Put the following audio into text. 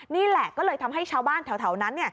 นี่แหละก็เลยทำให้ชาวบ้านแถวนั้น